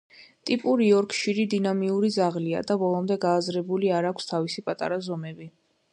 ტიპური იორკშირი დინამიური ძაღლია და ბოლომდე გააზრებული არ აქვს თავისი პატარა ზომები.